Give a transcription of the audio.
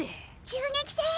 銃撃戦？